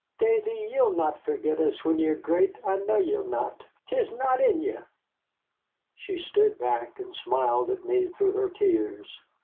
"Davy, ye'll not forget us when ye're great, I know ye'll not. 'Tis not in ye." She stood back and smiled at me through her tears.